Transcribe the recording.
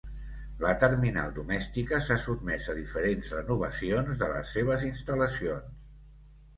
La terminal Domèstica s'ha sotmès a diferents renovacions de les seves instal·lacions.